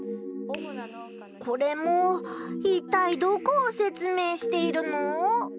これも一体どこをせつめいしているの？